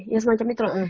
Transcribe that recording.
ya semacam itu loh